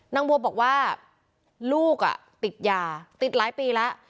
นางบัวบอกว่าลูกติดยาติดหลายปีแล้ว